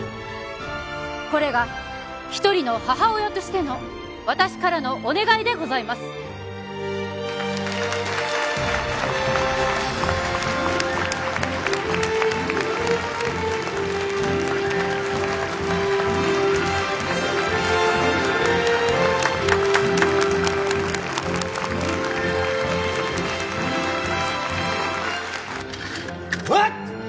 これが一人の母親としての私からのお願いでございますホワット？